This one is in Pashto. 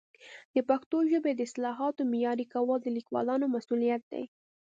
د پښتو ژبې د اصطلاحاتو معیاري کول د لیکوالانو مسؤلیت دی.